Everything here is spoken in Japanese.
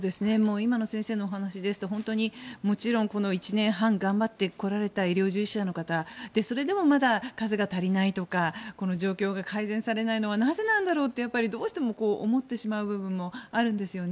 今の先生のお話ですともちろんこの１年半頑張ってこられた医療従事者の方それでもまだ数が足りないとかこの状況が改善されないのはなぜなんだろうってどうしても思ってしまう部分もあるんですよね。